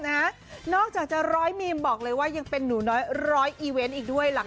นอกจากจะร้อยมีมบอกเลยว่ายังเป็นหนูน้อยร้อยอีเวนต์อีกด้วยหลัง